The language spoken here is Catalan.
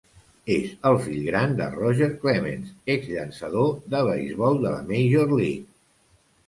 És el fill gran de Roger Clemens, ex llançador de beisbol de la Major League.